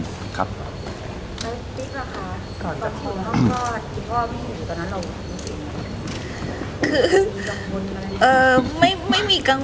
ติ๊กหรือคะก่อนจากโฟมก็คิดว่าไม่มีตอนนั้นลง